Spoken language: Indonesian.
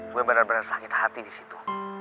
gue bener bener sakit hati disitu